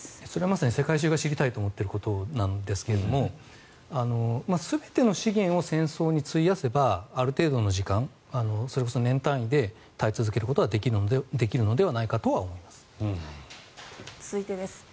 それは世界中が知りたいと思っていることですが全ての資源を戦争に費やせばある程度の時間それこそ年単位で耐え続けることはできるのではないかということです。